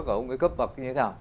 ông ấy cấp bậc như thế nào